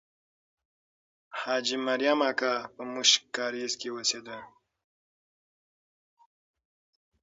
حاجي مریم اکا په موشک کارېز کې اوسېده.